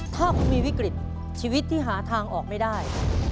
ถ้าคุณมีวิกฤตชีวิตที่หาทางออกไม่ได้